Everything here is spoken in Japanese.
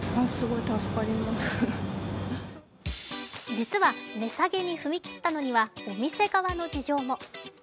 実は値下げに踏み切ったのにはお店側の事情も。